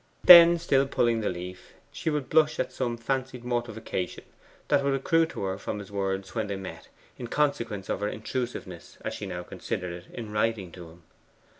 Then, still pulling the leaf, she would blush at some fancied mortification that would accrue to her from his words when they met, in consequence of her intrusiveness, as she now considered it, in writing to him.